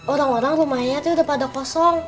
orang orang rumahnya itu udah pada kosong